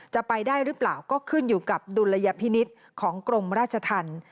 จะไปได้หรือเปล่าก็ขึ้นอยู่กับดุลยพินิษฐ์ของกรมราชธรรม